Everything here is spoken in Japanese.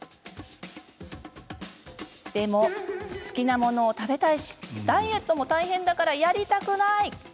でも、好きなものを食べたいしダイエットも大変だからやりたくない。